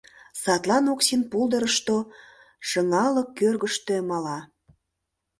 Садлан Оксин пулдырышто, шыҥалык кӧргыштӧ, мала.